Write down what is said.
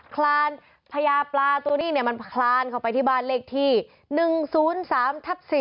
คลานพญาปลาตัวนี้มันคลานเข้าไปที่บ้านเลขที่๑๐๓ทับ๔